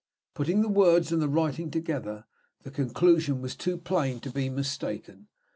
Putting the words and the writing together, the conclusion was too plain to be mistaken.